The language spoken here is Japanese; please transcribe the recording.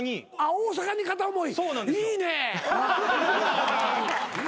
大阪に片思い。